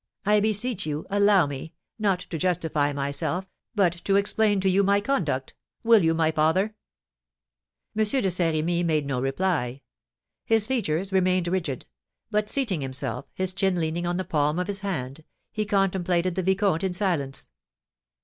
I beseech you, allow me, not to justify myself, but to explain to you my conduct! Will you, my father?" M. de Saint Remy made no reply; his features remained rigid; but, seating himself, his chin leaning on the palm of his hand, he contemplated the vicomte in silence.